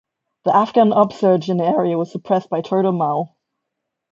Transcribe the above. The Afghan upsurge in the area was suppressed by Todar Mal.